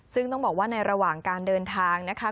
ซึ่งต้องบอกว่าในระหว่างการเดินทางนะคะ